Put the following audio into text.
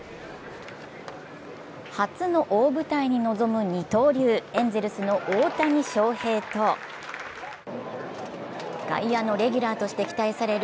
初の大舞台に臨む二刀流、エンゼルスの大谷翔平と外野のレギュラーとして期待される